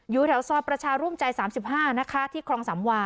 อยู่แถวซคอสประชารุ่มวันสามสิบห้านะคะที่คลองสำวา